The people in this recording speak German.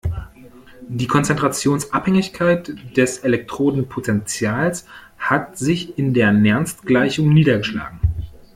Die Konzentrationsabhängigkeit des Elektrodenpotentials hat sich in der Nernst-Gleichung niedergeschlagen.